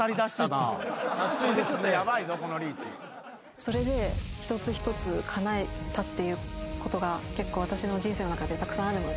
それで一つ一つかなえたっていうことが結構私の人生の中でたくさんあるので。